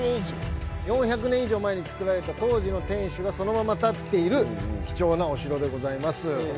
４００年いじょう前に作られた当時の天守がそのまま立っているきちょうなお城でございます。